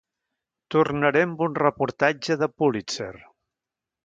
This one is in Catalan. Tornaré amb un reportatge de Pulitzer!